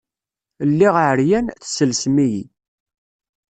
Lliɣ ɛeryan, tesselsem-iyi.